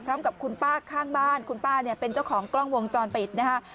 พร้อมกับคุณป้าข้างบ้านคุณป้าเนี่ยเป็นเจ้าของกล้องวงจรปิดนะฮะ